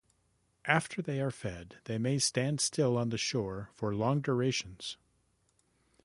After they are fed they may stand still on the shore for long durations.